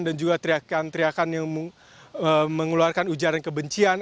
dan juga teriakan teriakan yang mengeluarkan ujaran kebencian